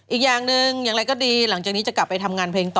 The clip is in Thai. อีกอย่างหนึ่งอย่างไรก็ดีหลังจากนี้จะกลับไปทำงานเพลงต่อ